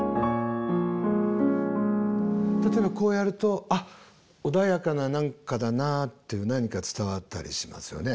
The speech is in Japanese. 例えばこうやるとあっ穏やかな何かだなっていう何か伝わったりしますよね。